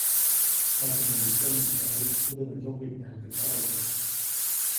Makumuŋde kyonuʼksjaye judä nä kyoketnyaju teʼ kaʼubä.